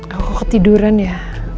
aku kok ketiduran ya